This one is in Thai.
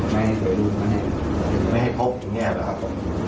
ไม่พบอย่างนี้หรอครับ